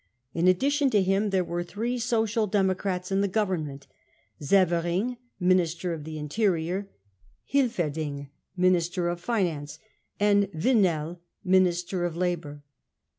In addition to him there were three Social Democrats In the Government : Severing (Minister of the Interior), * Hilferding (Minister of Finance) and Winell (Minister of j Labour).